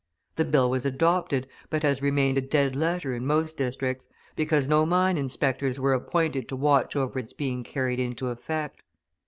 The bill was adopted, but has remained a dead letter in most districts, because no mine inspectors were appointed to watch over its being carried into effect.